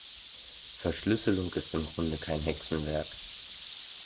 Verschlüsselung ist im Grunde kein Hexenwerk.